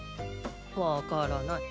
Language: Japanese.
わからない。